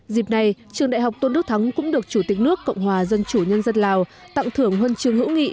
dịp này trường đại học tôn đức thắng cũng được chủ tịch nước cộng hòa dân chủ nhân dân lào tặng thưởng huân chương hữu nghị